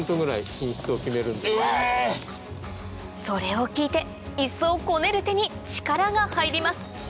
それを聞いていっそうこねる手に力が入ります